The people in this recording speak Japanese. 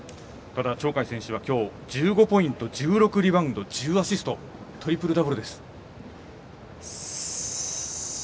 鳥海選手はきょう１５ポイント１６リバウンド１０アシストトリプルダブルです。